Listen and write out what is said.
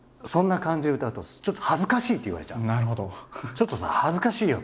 「ちょっとさ恥ずかしいよ」